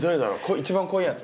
一番濃いやつ？